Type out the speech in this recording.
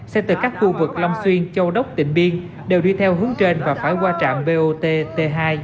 xe từ các khu vực long xuyên châu đốc tỉnh biên đều đi theo hướng trên và phải qua trạm bot t hai